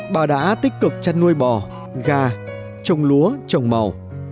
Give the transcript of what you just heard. bà đã tích cực chăn nuôi bò gà trồng lúa trồng màu